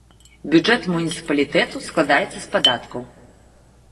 Бюджэт муніцыпалітэту складаецца з падаткаў.